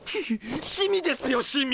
シミですよシミ！